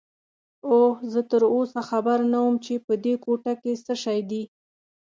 اوه، زه تراوسه خبر نه وم چې په دې کوټه کې څه شی دي.